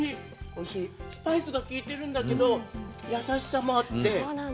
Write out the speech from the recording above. スパイスが効いてるんだけど、優しさもあって。